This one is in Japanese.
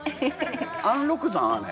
安禄山？あれ。